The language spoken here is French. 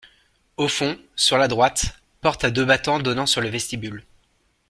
Au fond, sur la droite, porte à deux battants donnant sur le vestibule.